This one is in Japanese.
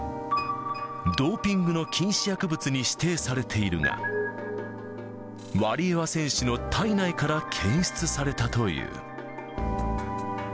ドーピングの禁止薬物に指定されているが、ワリエワ選手の体内から検出されたという。